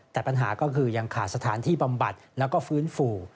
แต่ปัญหาก็คือยังขาดสถานที่บำบัดแล้วก็ฟื้นฟู